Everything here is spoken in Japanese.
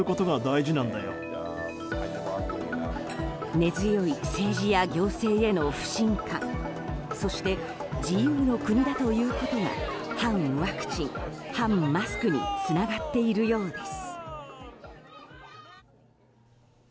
根強い政治や行政への不信感そして自由の国だということが反ワクチン、反マスクにつながっているようです。